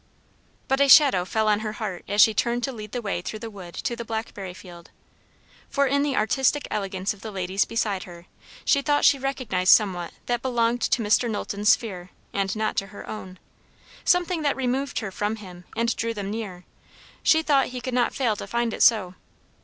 But a shadow fell on her heart as she turned to lead the way through the wood to the blackberry field. For in the artistic elegance of the ladies beside her, she thought she recognised somewhat that belonged to Mr. Knowlton's sphere and not to her own something that removed her from him and drew them near; she thought he could not fail to find it so.